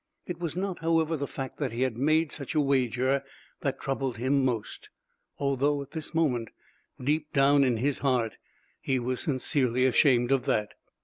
It was not, however, the fact that he had made such a wager that troubled him most, although at this moment, deep down in his heart, he was sincerely ashamed of that.